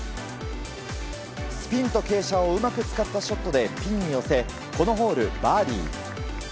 スピンと傾斜をうまく使ったショットでピンに寄せこのホール、バーディー。